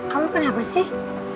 kamu kenapa sih